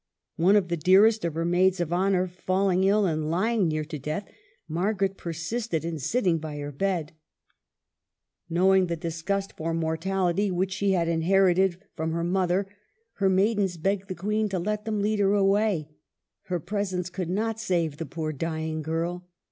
One of the dearest of her maids of honor falling ill and lying near to death, Margaret persisted in sitting by her bed. Knowing the disgust for 3IO MARGARET OF ANGOULEME, mortality which she had inherited from her mother, her maidens begged the Queen to let them lead her away; her presence could not save the poor dying girl.